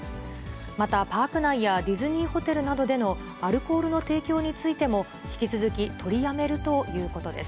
またパーク内やディズニーホテルなどでのアルコールの提供についても、引き続き取りやめるということです。